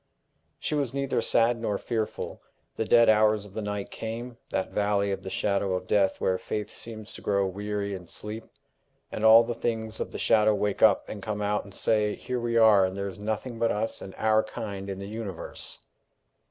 She was neither sad nor fearful. The dead hours of the night came, that valley of the shadow of death where faith seems to grow weary and sleep, and all the things of the shadow wake up and come out and say, "Here we are, and there is nothing but us and our kind in the universe!"